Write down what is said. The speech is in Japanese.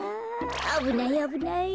あぶないあぶない。